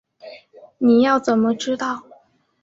你要怎么知道